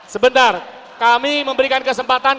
sebentar kami memberikan kesempatan